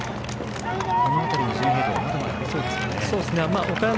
この辺りの順位変動はまだありそうですか。